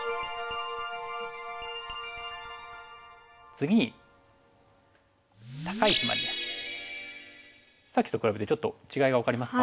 次にさっきと比べてちょっと違いが分かりますか？